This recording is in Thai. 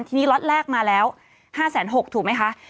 ทีนี้ล็อตแรกมาแล้ว๕๖๐๐ถูกไหมคะ